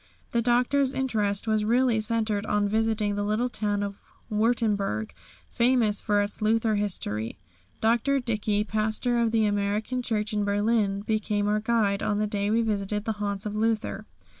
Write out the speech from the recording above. The Doctor's interest was really centred in visiting the little town of Württemberg, famous for its Luther history. Dr. Dickey, Pastor of the American Church in Berlin, became our guide on the day we visited the haunts of Luther.